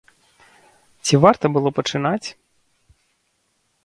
Ці варта было пачынаць?